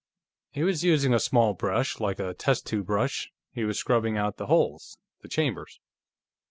"He was using a small brush, like a test tube brush; he was scrubbing out the holes. The chambers.